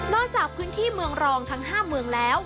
จากพื้นที่เมืองรองทั้ง๕เมืองแล้ว